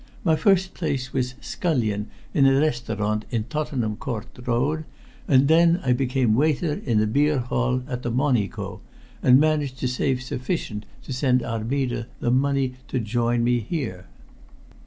My first place was scullion in a restaurant in Tottenham Court Road, and then I became waiter in the beer hall at the Monico, and managed to save sufficient to send Armida the money to join me here.